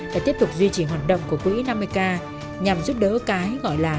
và tiếp tục duy trì hoạt động của quỹ năm mươi k nhằm giúp đỡ cái gọi là